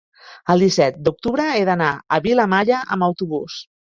el disset d'octubre he d'anar a Vilamalla amb autobús.